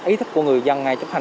ý thức của người dân ngay chấp hành